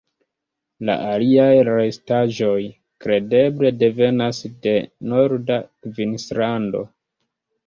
La aliaj restaĵoj kredeble devenas de norda Kvinslando.